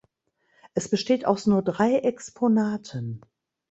Es besteht aus nur drei Exponaten.